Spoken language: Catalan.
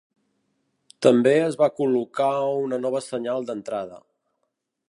També es va col·locar una nova senyal d"entrada.